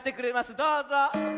どうぞ。